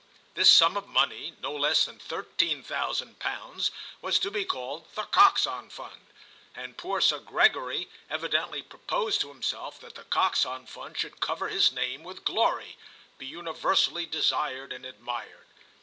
This sum of money, no less than thirteen thousand pounds, was to be called The Coxon Fund; and poor Sir Gregory evidently proposed to himself that The Coxon Fund should cover his name with glory—be universally desired and admired.